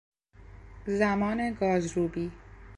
زمان گازروبی